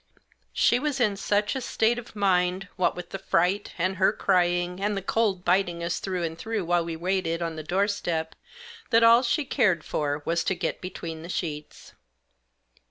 She was in such a state of mind, what with the fright, and her crying, and the cold biting us through and through while we waited on the doorstep, that all she cared for was to get between the sheets.